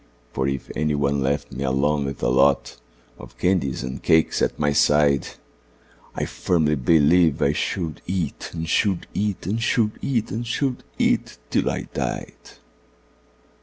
For if any one left me alone with a lot Of candies and cakes at my side, I firmly believe I should eat, and should eat, And should eat, and should eat, till I died.